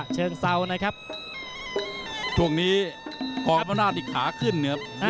เชิงเซานะครับช่วงนี้กองอำนาจอีกขาขึ้นนะครับ